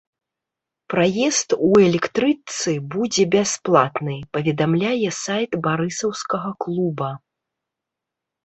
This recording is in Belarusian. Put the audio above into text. Праезд у электрычцы будзе бясплатны, паведамляе сайт барысаўскага клуба.